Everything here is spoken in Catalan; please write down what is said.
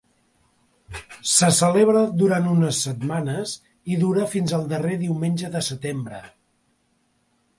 Se celebra durant unes setmanes i dura fins al darrer diumenge de setembre.